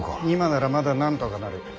今ならまだなんとかなる。